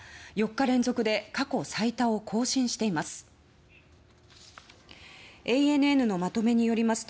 ４日連続で過去最多を更新しています。